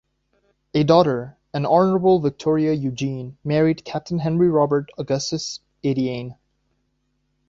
A daughter, the Honourable Victoria Eugenie, married Captain Henry Robert Augustus Adeane.